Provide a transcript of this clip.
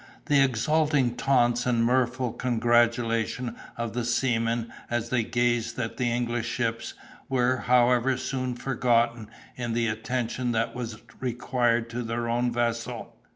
The exulting taunts and mirthful congratulations of the seamen, as they gazed at the English ships, were, however, soon forgotten in the attention that was required to their own vessel.